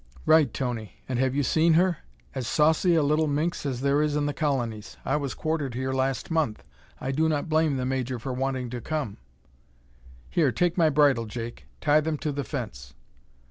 "Right, Tony. And have you seen her? As saucy a little minx as there it in the Colonies. I was quartered here last month. I do not blame the major for wanting to come." "Here, take my bridle, Jake. Tie them to the fence."